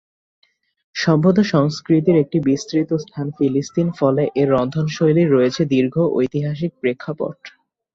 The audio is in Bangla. সভ্যতার সংস্কৃতির একটি বিস্তৃত স্থান ফিলিস্তিন ফলে এর রন্ধনশৈলীর রয়েছে দীর্ঘ ঐতিহাসিক প্রেক্ষাপট।